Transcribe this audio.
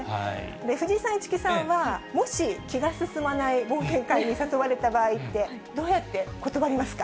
藤井さん、市來さんは、もし、気が進まない忘年会に誘われた場合って、どうやって断りますか？